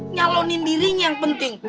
nyalonin dirinya yang penting